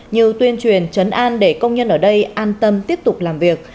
như tuyên truyền chấn an để công nhân ở đây an tâm tiếp tục làm việc